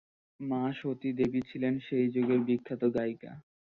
মা সতী দেবী ছিলেন সেই যুগের বিখ্যাত গায়িকা।